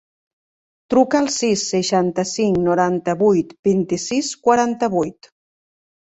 Truca al sis, seixanta-cinc, noranta-vuit, vint-i-sis, quaranta-vuit.